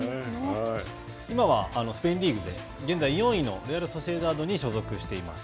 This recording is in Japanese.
今はスペインリーグで現在４位のレアル・ソシエダードに所属しています。